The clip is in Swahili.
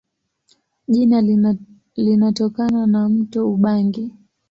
Jina linatokana na mto Ubangi.